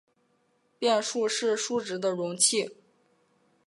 变数是数值的容器。